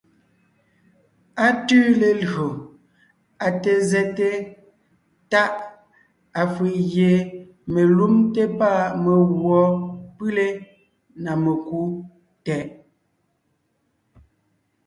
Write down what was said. Á tʉʉ lelÿò, á té zɛ́te Táʼ, afʉ̀ʼ gie melúmte pâ meguɔ pʉlé (na mekú) tɛʼ.